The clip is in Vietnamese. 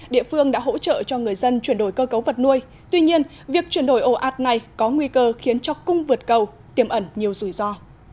địa phương đã hỗ trợ cho người dân chuyển đổi cơ cấu vật nuôi tuy nhiên việc chuyển đổi ồ ạt này có nguy cơ khiến cho cung vượt cầu tiêm ẩn nhiều rủi ro